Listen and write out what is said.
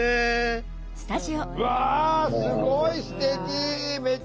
すごい。